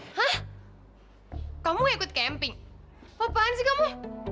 hah kamu ga ikut camping bapakan sih kamu